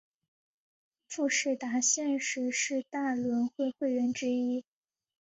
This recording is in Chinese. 富士达现时是大轮会会员之一。